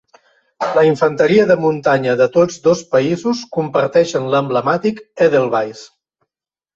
La infanteria de muntanya de tots dos països comparteixen l'emblemàtic Edelweiss.